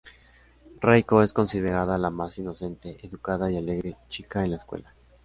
Reiko es considerada la más inocente, educada, y alegre chica en la escuela.